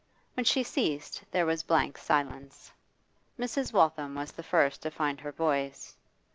When she ceased there was blank silence. Mrs. Waltham was the first to find her voice.